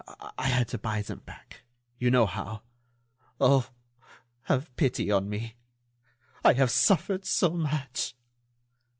I had to buy them back ... you know how.... Oh! have pity on me?... I have suffered so much!"